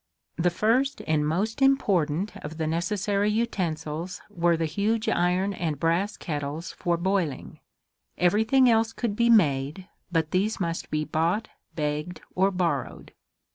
The first and most important of the necessary utensils were the huge iron and brass kettles for boiling. Everything else could be made, but these must be bought, begged or borrowed.